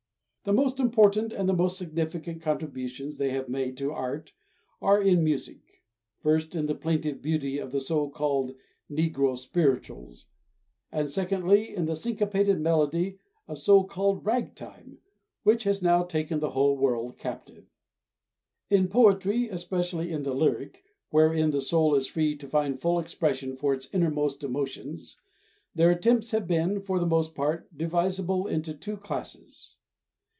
The most important and the most significant contributions they have made to art are in music, first in the plaintive beauty of the so called "Negro spirituals" and, secondly, in the syncopated melody of so called "ragtime" which has now taken the whole world captive. In poetry, especially in the lyric, wherein the soul is free to find full expression for its innermost emotions, their attempts have been, for the most part, divisible into two classes.